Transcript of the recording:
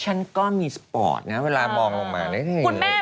ฉันก็มีสปอร์ตนะเวลามองลงมาได้เลย